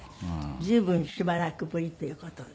随分しばらくぶりという事で。